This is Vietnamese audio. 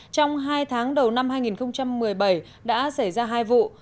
trong hai tháng đầu năm hai nghìn một mươi bảy đã xảy ra hai vụ